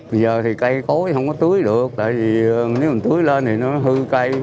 bây giờ thì cây cối không có tưới được tại vì nếu mình tưới lên thì nó hư cây